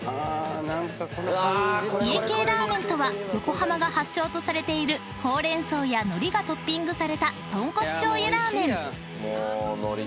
［家系ラーメンとは横浜が発祥とされているホウレンソウやのりがトッピングされた豚骨醤油ラーメン］